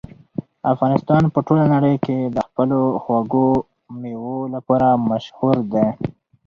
افغانستان په ټوله نړۍ کې د خپلو خوږو مېوو لپاره مشهور دی.